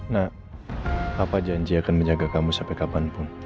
nek papa janji akan menjaga kamu sampai kapanpun